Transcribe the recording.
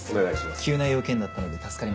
急な用件だったので助かります。